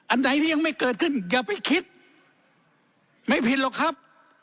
อันไหนที่ยังไม่เกิดขึ้นอย่าไปคิดไม่ผิดหรอกครับ